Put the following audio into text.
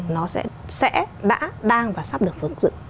nó sẽ đã đang và sắp được phấn dựng